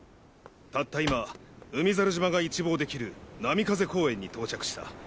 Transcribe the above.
たった今海猿島が一望できるなみかぜ公園に到着した。